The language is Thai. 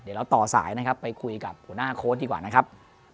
เดี๋ยวเราต่อสายนะครับไปคุยกับหัวหน้าโค้ดดีกว่านะครับ